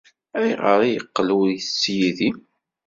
Ayɣer ay yeqqel ur ittett yid-i?